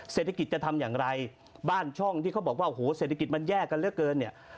เศรษฐกิจจะทำอย่างไรบ้านช่องที่เขาบอกว่าโหเศรษฐกิจมันแย่กันเหลือเกินเนี่ย